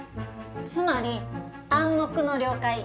つまり「暗黙の了解」ね。